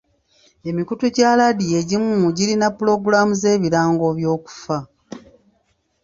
Emikutu gya laadiyo egimu girina pulogulaamu z'ebirango by'okufa.